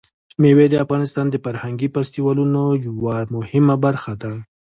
مېوې د افغانستان د فرهنګي فستیوالونو یوه مهمه برخه ده.